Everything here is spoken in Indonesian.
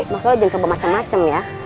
makanya jangan coba macem macem ya